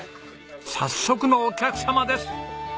早速のお客様です！